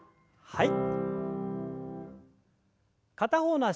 はい。